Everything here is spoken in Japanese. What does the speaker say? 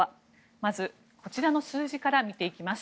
まず、こちらの数字から見ていきます。